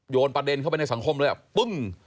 ประเด็นเข้าไปในสังคมเลยอ่ะปึ้ง